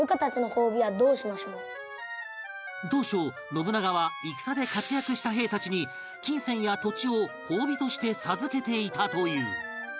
当初信長は戦で活躍した兵たちに金銭や土地を褒美として授けていたという